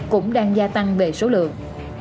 cũng đang gia tăng về số lượng